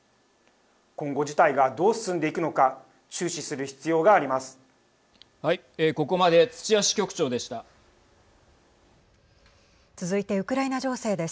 今後、事態がどう進んでいくのか注視する必要があります。